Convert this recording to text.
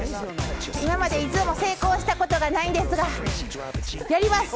今まで一度も成功したことがないんですがやります！